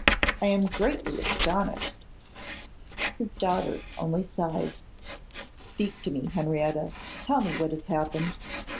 I am greatly astonished.' His daughter only sighed. 'Speak to me, Henrietta. Tell me what has happened.